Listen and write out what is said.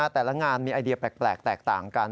แต่ละงานมีไอเดียแปลกแตกต่างกัน